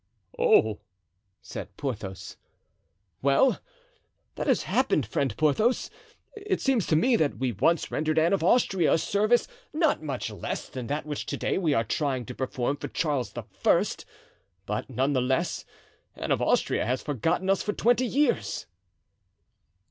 "Oh!" said Porthos. "Well, that has happened, friend Porthos. It seems to me that we once rendered Anne of Austria a service not much less than that which to day we are trying to perform for Charles I.; but, none the less, Anne of Austria has forgotten us for twenty years."